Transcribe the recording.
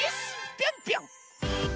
ぴょんぴょん！